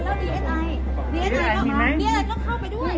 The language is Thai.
แล้วผมถามคำถามง่ายเลย